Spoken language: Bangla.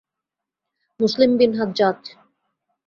মুসলিম বিন হাজ্জাজ